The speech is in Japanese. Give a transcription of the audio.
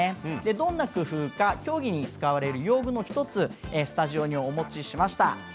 どんな工夫か競技に使われる用具の１つスタジオにお持ちしました。